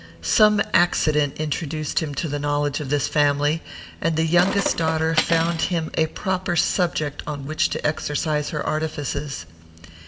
Some accident introduced him to the knowledge of this family, and the youngest daughter found him a proper subject on which to exercise her artifices.